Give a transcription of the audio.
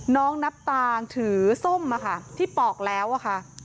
น้องนับตางถือส้มที่ปอกแล้วอะค่ะ